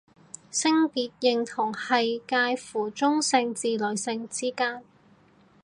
性別認同係界乎中性至女性之間